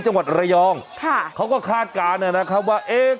จังหวัดระยองค่ะเขาก็คาดการณ์นะครับว่าเอ๊ะ